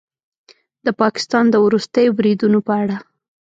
د پاکستان د وروستیو بریدونو په اړه